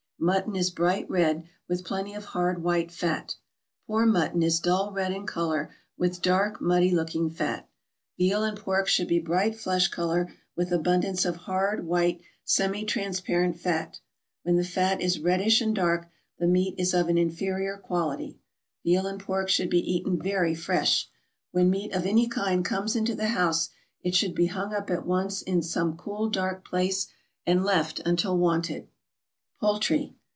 Mutton is bright red, with plenty of hard white fat; poor mutton is dull red in color, with dark, muddy looking fat. Veal and pork should be bright flesh color with abundance of hard, white, semi transparent fat; when the fat is reddish and dark, the meat is of an inferior quality; veal and pork should be eaten very fresh. When meat of any kind comes into the house it should be hung up at once in some cool, dark place, and left until wanted. =Poultry.